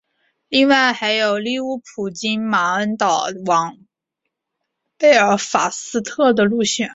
另外还有利物浦经马恩岛往贝尔法斯特的路线。